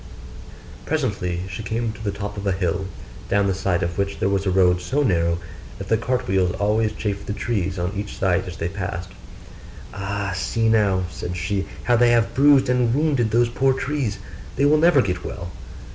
Presently she came to the top of a hill, down the side of which there was a road so narrow that the cart wheels always chafed the trees on each side as they passed. 'Ah, see now,' said she, 'how they have bruised and wounded those poor trees; they will never get well.